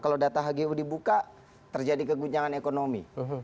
kalau data hgu dibuka terjadi keguncangan ekonomi